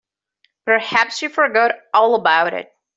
Perhaps she forgot all about it.